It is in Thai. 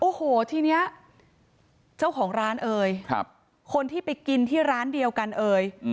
โอ้โหทีนี้เจ้าของร้านเอ่ยคนที่ไปกินที่ร้านเดียวกันเอ่ย